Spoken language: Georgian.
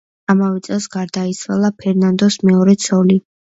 ამავე წელს გარდაიცვალა ფერნანდოს მეორე ცოლი.